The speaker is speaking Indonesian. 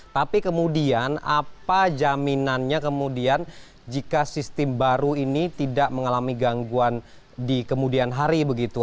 tapi kemudian apa jaminannya kemudian jika sistem baru ini tidak mengalami gangguan di kemudian hari begitu